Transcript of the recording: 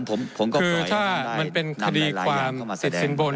คือถ้ามันเป็นคดีความติดสินบน